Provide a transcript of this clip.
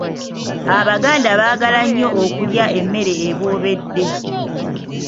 Abaganda baagala nnyo okulya emmere eboobedde.